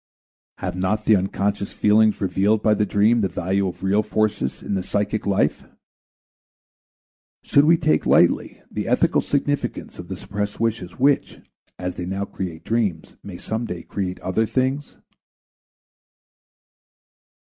Have not the unconscious feelings revealed by the dream the value of real forces in the psychic life? Should we take lightly the ethical significance of the suppressed wishes which, as they now create dreams, may some day create other things?